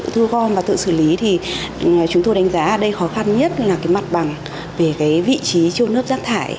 thu gom và tự xử lý thì chúng tôi đánh giá đây khó khăn nhất là cái mặt bằng về cái vị trí chôn lớp giác thải